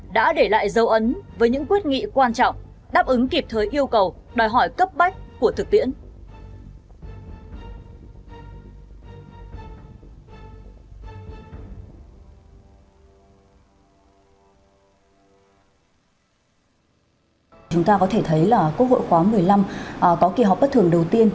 đã để lại dấu ấn với những quyết nghị quan trọng đáp ứng kịp thời yêu cầu đòi hỏi cấp bách của thực tiễn